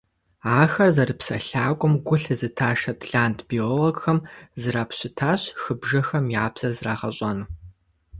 Ахэр зэрыпсэлъакӏуэм гу лъызыта шотланд биологхэм зрапщытащ хыбжэхэм я «бзэр» зэрагъэщӏэну.